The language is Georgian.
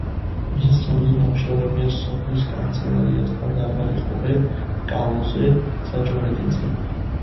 მისი ცნობილი ნამუშევრებია: „სოფლის კანცელარიასთან დაბალი ღობე“, „კალოზე“, „გზაჯვარედინზე“.